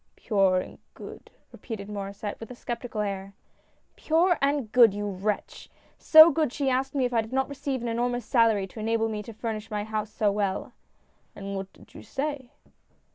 "Pure and good," repeated Maurcsset, with a skepti cal air. " Pure and good, you wretch ! so good that she asked me if I did not receive an enormous salary to enable me to furnish my house so well." " And what did you say